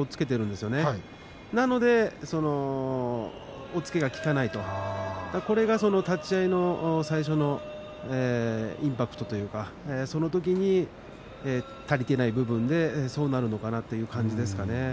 ですから押っつけが効かないと立ち合いの最初のインパクトというかそのときに足りてない部分でそうなるのかなという感じですかね。